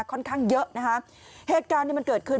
ค่อนข้างเยอะนะคะเหตุการณ์เนี่ยมันเกิดขึ้น